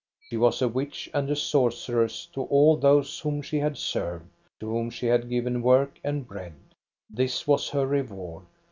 She was a witch and a sorceress to all those whom she had served, to whom she had given work and bread. This was her reward.